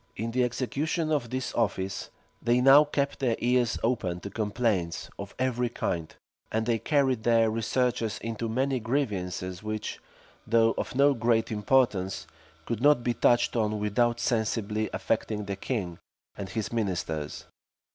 In the execution of this office, they now kept their ears open to complaints of every kind; and they carried their researches into many grievances which, though of no great importance, could not be touched on without sensibly affecting the king and his ministers.